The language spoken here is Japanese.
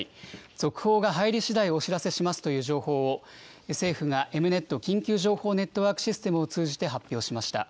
続報が入りしだいお知らせしますという情報を、政府がエムネット・緊急情報ネットワークシステムを通じて発表しました。